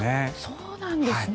そうなんですね